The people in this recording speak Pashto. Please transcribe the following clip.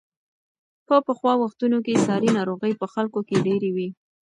په پخوا وختونو کې ساري ناروغۍ په خلکو کې ډېرې وې.